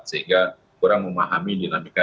sehingga kurang memahami dinamika